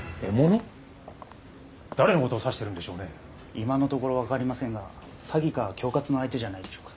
今のところわかりませんが詐欺か恐喝の相手じゃないでしょうか。